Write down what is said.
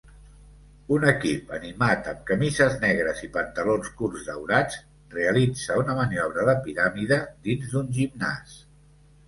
Un equip animat amb camises negres i pantalons curts daurats realitza una maniobra de piràmide dins d'un gimnàs.